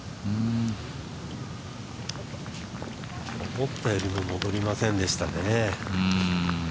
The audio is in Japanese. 思ったよりも戻りませんでしたね。